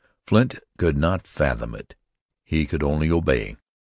Flint could not fathom it. He could only obey.